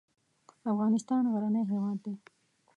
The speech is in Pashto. افغانستان غرنی هېواد دی.